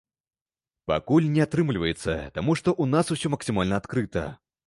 Пакуль не атрымліваецца, таму што ў нас усё максімальна адкрыта.